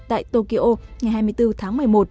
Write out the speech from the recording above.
tại tokyo ngày hai mươi bốn tháng một mươi một